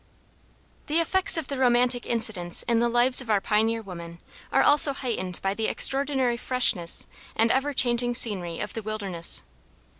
The effects of the romantic incidents in the lives of our pioneer women are also heightened by the extraordinary freshness and ever changing scenery of the wilderness.